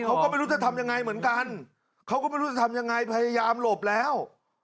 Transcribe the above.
เขาก็ไม่รู้จะทำยังไงเหมือนกันเขาก็ไม่รู้จะทำยังไงพยายามหลบแล้ว